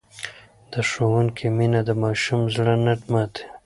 د ښوونکي مینه د ماشوم زړه نه ماتوي.